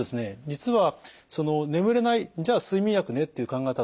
実はその眠れないじゃあ睡眠薬ねっていう考え方